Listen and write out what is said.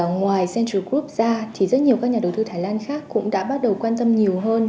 ngoài central group ra thì rất nhiều các nhà đầu tư thái lan khác cũng đã bắt đầu quan tâm nhiều hơn